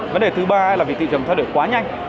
vấn đề thứ ba là vì thị trường thay đổi quá nhanh